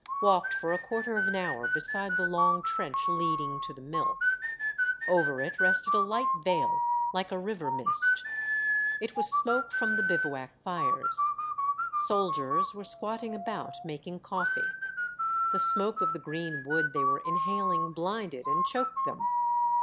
Walked for a quarter of an hour beside the long trench leading to the mill. Over it rested a light veil, like a river mist. It was smoke from the biv ouac fires. Soldiers were squatting about, making coffee. The smoke of the green wood they were inhaling blinded and choked them.